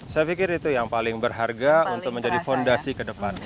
saya pikir itu yang paling berharga untuk menjadi fondasi ke depan